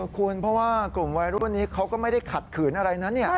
คุณเพราะว่ากลุ่มวัยรุ่นนี้เขาก็ไม่ได้ขัดขืนอะไรนะ